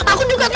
aku juga takut